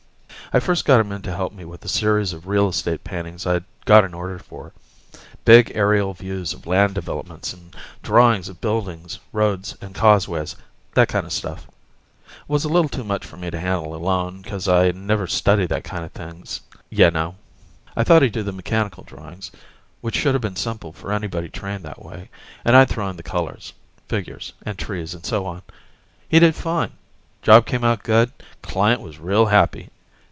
I first got him in to help me with a series of real estate paintings I'd got an order for. Big aerial views of land developments, and drawings of buildings, roads and causeways, that kinda stuff. Was a little too much for me to handle alone, 'cause I never studied that kinda things, ya know. I thought he'd do the mechanical drawings, which shoulda been simple for anybody trained that way, and I'd throw in the colors, figures and trees and so on. He did fine. Job came out good; client was real happy.